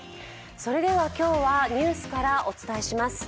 今日はニュースからお伝えします。